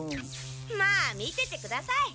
まあ見ててください。